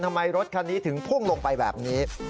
รถคันนี้ถึงพุ่งลงไปแบบนี้